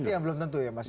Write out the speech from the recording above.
itu yang belum tentu ya mas